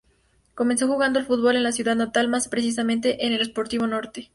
Comenzó jugando al fútbol en su ciudad natal, más precisamente en el Sportivo Norte.